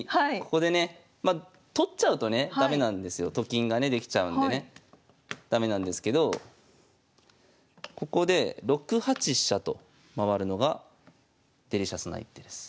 ここでねまあ取っちゃうとね駄目なんですよ。と金がねできちゃうんでね駄目なんですけどここで６八飛車と回るのがデリシャスな一手です。